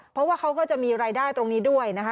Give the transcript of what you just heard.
เพราะว่าเขาก็จะมีรายได้ตรงนี้ด้วยนะคะ